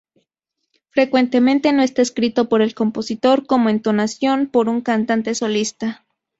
Frecuentemente no está escrito por el compositor, como entonación, por un cantante solista.